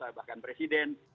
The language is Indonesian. atau bahkan presiden